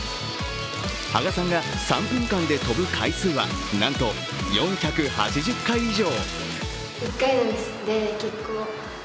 芳我さんが３分間で跳ぶ回数は、なんと４８０回以上。